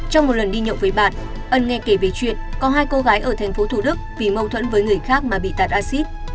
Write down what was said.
trong một lần đi nhậu với bạn ân nghe kể về chuyện có hai cô gái ở thành phố thủ đức vì mâu thuẫn với người khác mà bị tạt acid